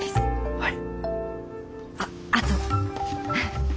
はい。